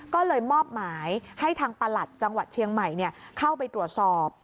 ก็เลยมอบหมายให้ทางประหลัดจังหวัดเชียงใหม่เข้าไปตรวจสอบ